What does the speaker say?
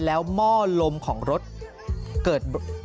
แล้วหม้อลมของรถเกิด